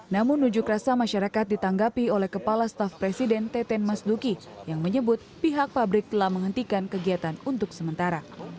namun ujuk rasa masyarakat ditanggapi oleh kepala staf presiden teten mas duki yang menyebut pihak pabrik telah menghentikan kegiatan untuk sementara